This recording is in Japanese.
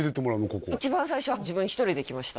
ここ一番最初は自分一人で行きました